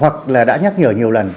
hoặc là đã nhắc nhở nhiều lần